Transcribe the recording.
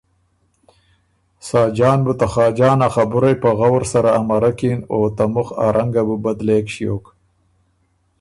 ساجان بُو ته خاجان ا خبُرئ په غؤر سره امرکِن او ته مُخ ا رنګه بُو بدلېک ݭیوک۔